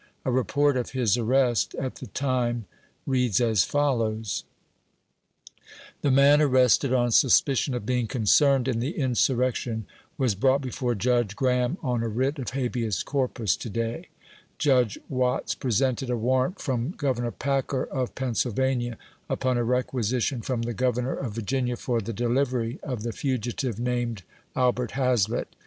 A report of his arrest at the time reads as follows: —" The man arnvted on t uspieinn of being concerned in the insurrection wab brought before Judge (trahaui on a writ of habeas corpus to day. 56 A VOICE FROM HARPER'S FERRY. Judge Watts presented a warrant from Governor Packer, of Pennsylva nia, upon a requisition from the Governor of Virginia for tho delivery of the fugitivo named Albert Hazlott.